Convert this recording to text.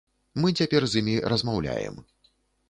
Мы цяпер з імі размаўляем.